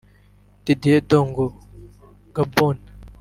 Didier Ndong (Gabon)